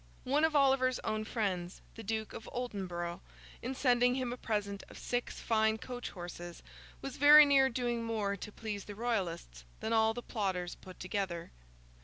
One of Oliver's own friends, the Duke of Oldenburgh, in sending him a present of six fine coach horses, was very near doing more to please the Royalists than all the plotters put together.